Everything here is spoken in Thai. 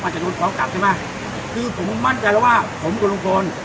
ผมอาจจะโดนฟ้องกลับใช่ไหมคือผมมั่นใจแล้วว่าผมกลุ่มคน